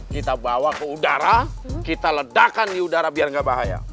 kita bawa ke udara kita ledakan di udara biar nggak bahaya